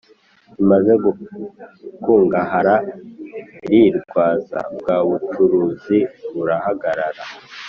imaze gukungahara irirwaza Bwa bucuruzi burahagarara